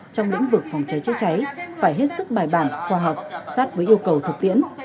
trong lĩnh vực phòng cháy chữa cháy phải hết sức bài bản khoa học sát với yêu cầu thực tiễn